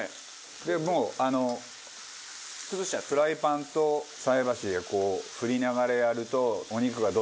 でもうあのフライパンと菜箸でこう振りながらやると。